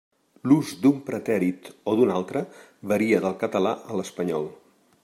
L'ús d'un pretèrit o d'un altre varia del català a l'espanyol.